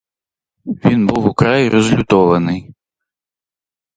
Він був украй розлютований.